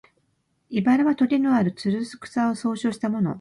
「茨」はとげのある、つる草を総称したもの